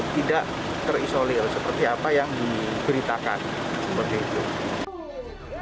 tidak terisolir seperti apa yang diberitakan